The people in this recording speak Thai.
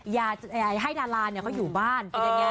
อย่าให้ดาราเนี่ยเขาอยู่บ้าน